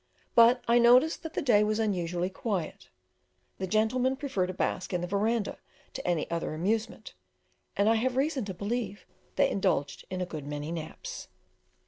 But I noticed that the day was unusually quiet; the gentlemen preferred a bask in the verandah to any other amusement, and I have reason to believe they indulged in a good many naps.